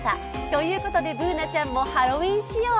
ということで、Ｂｏｏｎａちゃんもハロウィーン仕様。